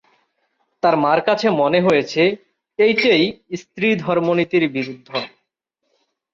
তার মার কাছে মনে হয়েছে, এইটেই স্ত্রীধর্মনীতির বিরুদ্ধ।